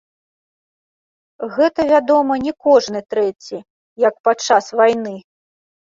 Гэта, вядома, не кожны трэці, як падчас вайны.